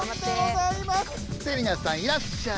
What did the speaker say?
セリナさんいらっしゃい。